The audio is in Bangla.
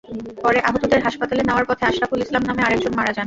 পরে আহতদের হাসপাতালে নেওয়ার পথে আশরাফুল ইসলাম নামে আরেকজন মারা যান।